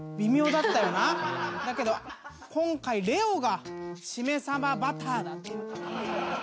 だけど今回レオがしめ鯖バターだってことで。